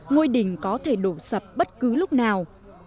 ngôi đình có thể đổ sập bất cứ lúc nào